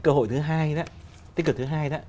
cơ hội tích cực thứ hai